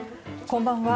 こんばんは。